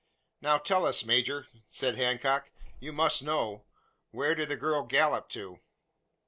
"Now tell us, major!" said Hancock: "you must know. Where did the girl gallop to?"